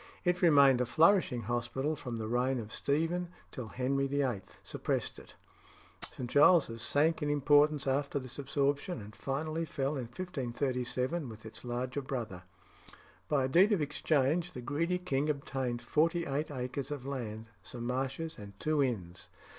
It remained a flourishing hospital from the reign of Stephen till Henry VIII. suppressed it. St. Giles's sank in importance after this absorption, and finally fell in 1537 with its larger brother. By a deed of exchange the greedy king obtained forty eight acres of land, some marshes, and two inns.